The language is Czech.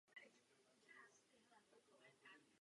Poté ji však Druhá Španělská republika donutila odejít do exilu.